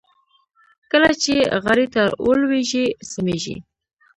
کله چې غاړې ته ولوېږي سميږي.